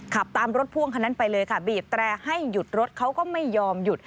ขับตามรถพ่วงคันนั้นไปเลยค่ะบีบแตรให้หยุดรถเขาก็ไม่ยอมหยุด